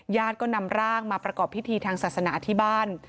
ก็นำร่างมาประกอบพิธีทางศาสนาที่บ้าน